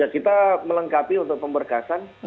kita melengkapi untuk pemberkasan